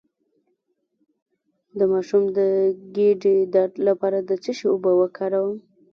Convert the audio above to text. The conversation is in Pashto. د ماشوم د ګیډې درد لپاره د څه شي اوبه وکاروم؟